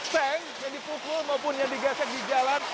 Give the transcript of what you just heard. tank yang dipukul maupun yang digesek di jalan